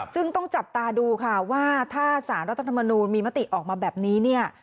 ซึ่งต้องจับตาดูค่ะว่าถ้าสารรัฐธรรมนูลมีมติออกมาแบบนี้เนี่ย